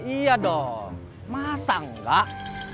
iya dong masa enggak